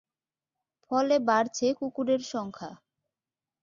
ফলে বাড়ছে কুকুরের সংখ্যা।